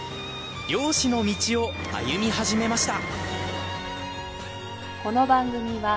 漁師の道を歩み始めました！